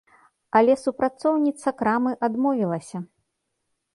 Але супрацоўніца крамы адмовілася.